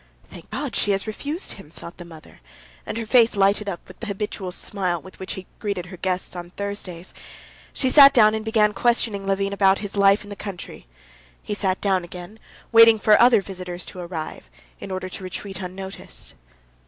"Thank God, she has refused him," thought the mother, and her face lighted up with the habitual smile with which she greeted her guests on Thursdays. She sat down and began questioning Levin about his life in the country. He sat down again, waiting for other visitors to arrive, in order to retreat unnoticed.